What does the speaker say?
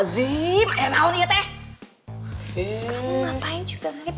juga sama cewek cewek